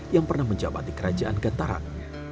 yang pernah menjabat di kerajaan gantaran